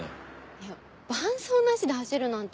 いや伴走なしで走るなんて。